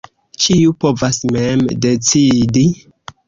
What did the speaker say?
Ĉiu povas mem decidi.